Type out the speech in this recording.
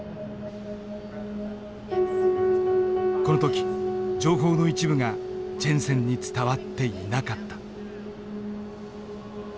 この時情報の一部がジェンセンに伝わっていなかった。